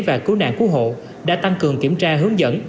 và cứu nạn cứu hộ đã tăng cường kiểm tra hướng dẫn